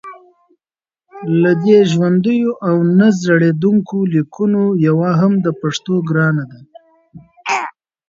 له دې ژوندیو او نه زړېدونکو لیکونو یوه هم د پښتو ګرانه ده